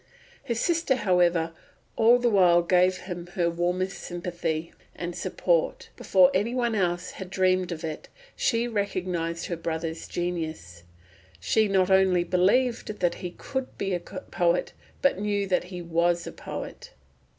His sister, however, all the while gave him her warmest sympathy and support. Before any one else had dreamed of it, she recognised her brother's genius; she not only believed that he would be a poet, but knew that he was a poet.